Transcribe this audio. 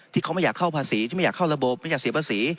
ที่เขาไม่อยากเข้าภาษีที่ไม่อยากเข้าระบบไม่อยากเสียภาษี